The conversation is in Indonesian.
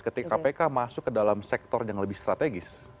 ketika kpk masuk ke dalam sektor yang lebih strategis